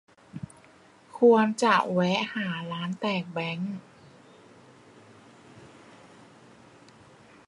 ควรจะแวะหาร้านแตกแบงค์